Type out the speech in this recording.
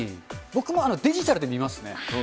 僕もデジタルで見ますね。